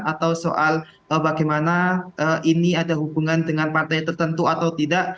atau soal bagaimana ini ada hubungan dengan partai tertentu atau tidak